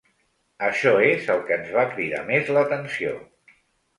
Això és el que ens va cridar més l'atenció.